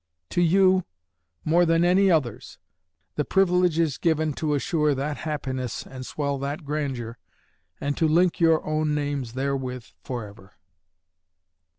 To you, more than any others, the privilege is given to assure that happiness and swell that grandeur, and to link your own names therewith forever.